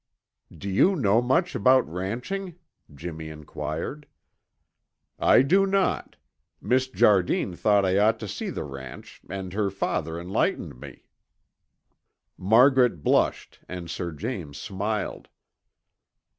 "Do you know much about ranching?" Jimmy inquired. "I do not. Miss Jardine thought I ought to see the ranch and her father enlightened me." Margaret blushed and Sir James smiled.